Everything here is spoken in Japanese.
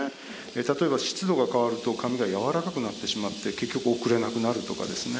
例えば湿度が変わると紙がやわらかくなってしまって結局送れなくなるとかですね。